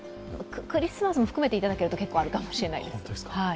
クリスマスも含めていただけると、結構あるかもしれないです。